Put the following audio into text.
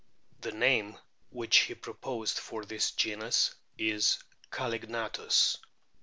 The name which he proposed for this genus is Callignathus.